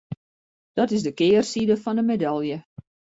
Dat is de kearside fan de medalje.